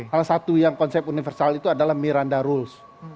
salah satu yang konsep universal itu adalah miranda rules